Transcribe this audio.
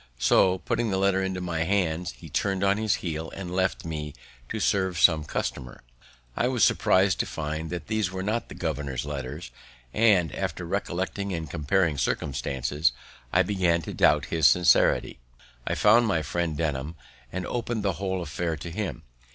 So, putting the letter into my hand, he turn'd on his heel and left me to serve some customer. I was surprized to find these were not the governor's letters; and, after recollecting and comparing circumstances, I began to doubt his sincerity. I found my friend Denham, and opened the whole affair to him.